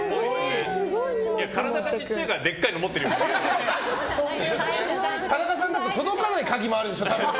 体が小さいからでかいの持ってるように田中さんだって届かない鍵もあるでしょ。